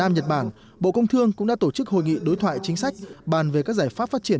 nhật bản bộ công thương cũng đã tổ chức hội nghị đối thoại chính sách bàn về các giải pháp phát triển